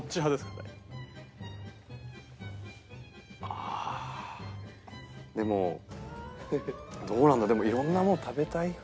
ああでもどうなんだでもいろんなもの食べたい。